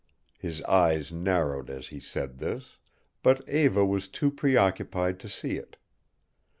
His eyes narrowed as he said this, but Eva was too preoccupied to see it.